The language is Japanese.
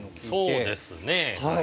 そうですね。